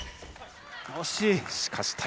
惜しい！